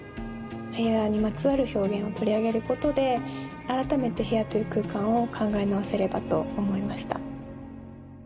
部屋にまつわる表現を取り上げることで改めて部屋という空間を考え直せればと思いました。